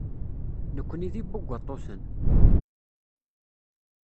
Nekkni d ibugaṭuten.